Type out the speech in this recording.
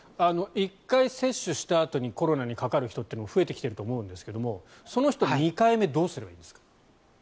１回接種したあとにコロナにかかる人も増えていると思いますがその人は２回目をどうすればいいですか。